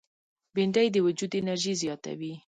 بېنډۍ د وجود انرژي زیاتوي